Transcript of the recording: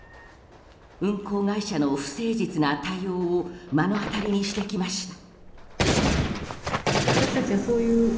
運航会社の不誠実な対応を目の当たりにしてきました。